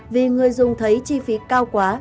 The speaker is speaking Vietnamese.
vì người dùng thấy chi phí cao quá